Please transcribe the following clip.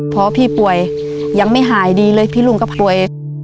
พอพี่ป่วยยังไม่หายดีเลยพี่ลุงก็ป่วย